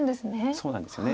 そうなんですよね。